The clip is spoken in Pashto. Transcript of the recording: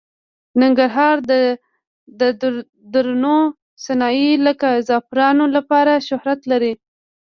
ننګرهار د درنو صنایعو لکه زعفرانو لپاره شهرت لري.